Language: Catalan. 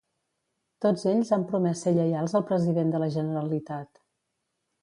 Tots ells han promès ser lleials al president de la Generalitat.